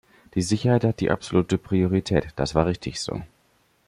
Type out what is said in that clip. Die Sicherheit hatte die absolute Priorität, das war richtig so.